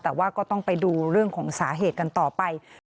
แต่ว่าก็ต้องไปดูเรื่องของสาเหตุกันต่อไป